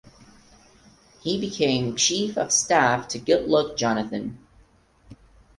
He became Chief of Staff to Goodluck Jonathan.